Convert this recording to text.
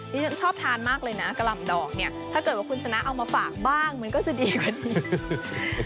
ที่ฉันชอบทานมากเลยนะกะหล่ำดอกเนี่ยถ้าเกิดว่าคุณชนะเอามาฝากบ้างมันก็จะดีกว่านี้